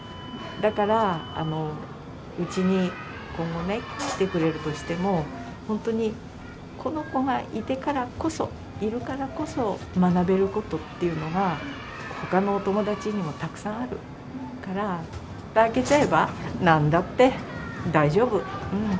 だから、うちに今後ね、来てくれるとしても、本当に、この子がいてからこそ、いるからこそ、学べることっていうのが、ほかのお友達にもたくさんあるから、ふた開けちゃえばなんだって大丈夫、うん。